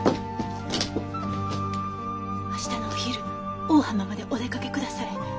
明日のお昼大浜までお出かけくだされ。